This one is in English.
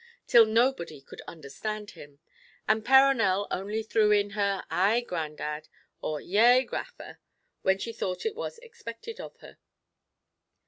till nobody could understand him, and Perronel only threw in her "ay, grandad," or "yea, gaffer," when she thought it was expected of her.